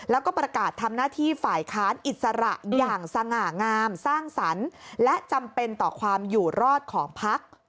แล้วก็ประกาศทำหน้าที่ฝ่ายค้านอิสระอย่างสง่างามสร้างสรรค์และจำเป็นต่อความอยู่รอดของพัก